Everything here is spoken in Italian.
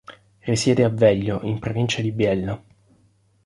Risiede a Veglio, in provincia di Biella.